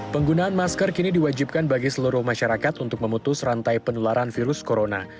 penggunaan masker kini diwajibkan bagi seluruh masyarakat untuk memutus rantai penularan virus corona